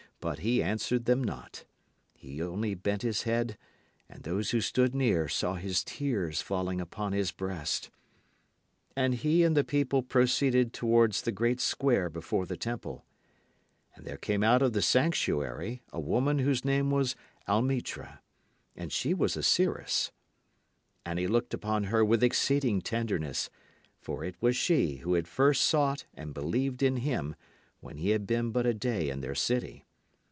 But he answered them not. He only bent his head; and those who stood near saw his tears falling upon his breast. And he and the people proceeded towards the great square before the temple. And there came out of the sanctuary a woman whose name was Almitra. And she was a seeress. And he looked upon her with exceeding tenderness, for it was she who had first sought and believed in him when he had been but a day in their city.